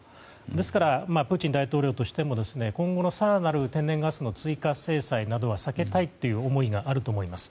ですからプーチン大統領としても今後の更なる天然ガスの追加制裁などは避けたいという思いがあると思います。